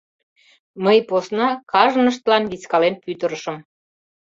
Мый посна кажныштлан вискален пӱтырышым.